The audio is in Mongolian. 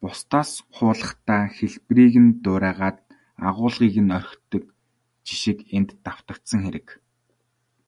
Бусдаас хуулахдаа хэлбэрийг нь дуурайгаад, агуулгыг нь орхидог жишиг энд давтагдсан хэрэг.